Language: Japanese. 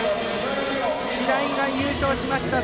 白井が優勝しました。